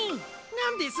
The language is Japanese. なんです？